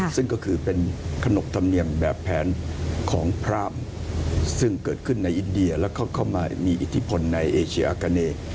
ซึ่งก็คือเป็นขนบธรรมเนียมแบบแผนของพรามซึ่งเกิดขึ้นในอินเดียแล้วก็เข้ามามีอิทธิพลในเอเชียอากาเน